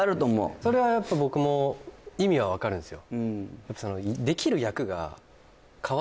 それはやっぱ僕も意味は分かるんですよ